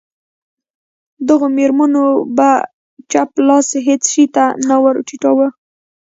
دغو مېرمنو به چپ لاس هېڅ شي ته نه ور ټیټاوه.